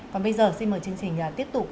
còn bây giờ xin mời chương trình tiếp tục